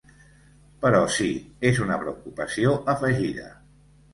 Però sí, és una preocupació afegida.